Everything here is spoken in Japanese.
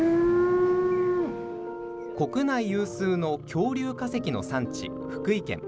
国内有数の恐竜化石の産地福井県。